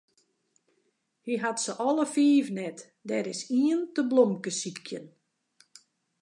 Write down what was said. Hy hat se alle fiif net, der is ien te blomkesykjen.